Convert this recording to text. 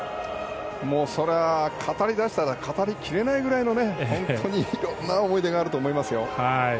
もうそれは語り出したら語り切れないくらいの本当に色々な思い出があると思いますよ。